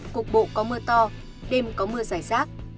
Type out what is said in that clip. cục bộ có mưa to đêm có mưa rải rác